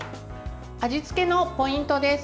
味付けのポイントです。